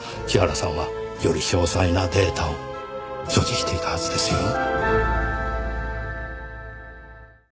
千原さんはより詳細なデータを所持していたはずですよ。